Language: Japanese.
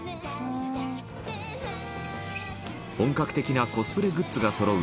本格的なコスプレグッズがそろう